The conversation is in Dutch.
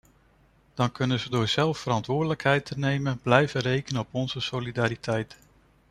Dan kunnen ze door zelf verantwoordelijkheid te nemen blijven rekenen op onze solidariteit!